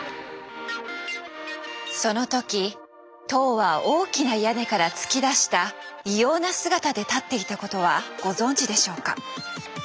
その時塔は大きな屋根から突き出した異様な姿で立っていたことはご存じでしょうか。